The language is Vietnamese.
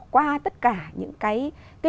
qua tất cả những cái